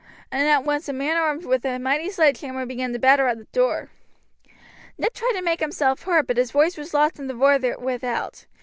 And at once a man armed with a mighty sledgehammer began to batter at the door. Ned tried to make himself heard, but his voice was lost in the roar without.